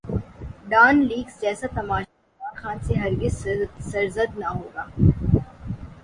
Dawn leaks جیسا تماشا عمران خان سے ہر گز سرزد نہ ہوگا۔